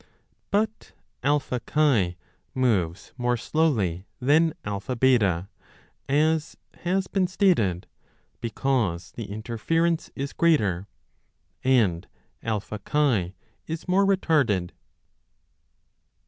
But AX moves more slowly than AB, as has been stated, because the interference is greater and AX is more retarded.